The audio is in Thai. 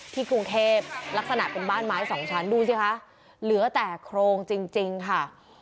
ที่กรุงเทพลักษณะบรรที่พรุ่สองชั้นดูซิคะเหลือแต่โครงจริงค่ะ